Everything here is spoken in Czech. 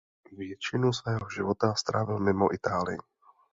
Většinu svého života strávil mimo Itálii.